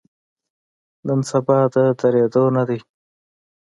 نن سبا د ودریدو نه دی.